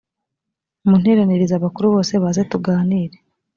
munteranirize abakuru bose baze tuganire